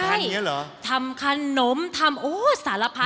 ใช่ทำขนมทำสารพัด